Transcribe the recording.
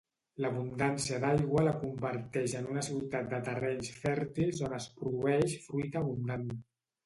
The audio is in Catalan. L'abundància d'aigua la converteix en una ciutat de terrenys fèrtils on es produeix fruita abundant.